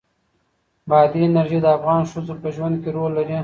بادي انرژي د افغان ښځو په ژوند کې رول لري.